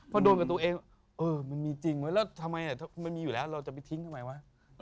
พอโดนกับตัวเองเออมันมีจริงวะแล้วทำไมมันมีอยู่แล้วเราจะไปทิ้งทำไมวะ